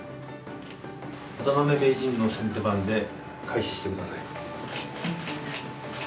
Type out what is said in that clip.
渡辺名人の先手番で、開始してください。